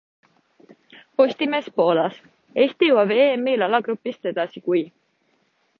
POSTIMEES POOLAS Eesti jõuab EMil alagrupist edasi, kui...